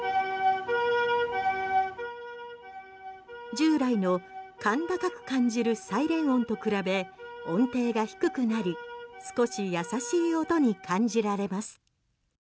従来の甲高く感じるサイレン音と比べ音程が低くなり少し優しい音に感じられます。